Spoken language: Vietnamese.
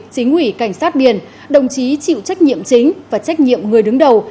chính ủy cảnh sát biển đồng chí chịu trách nhiệm chính và trách nhiệm người đứng đầu